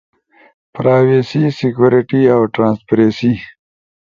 پراویسی، سیکیوریٹی اؤ ٹرانسپریسی۔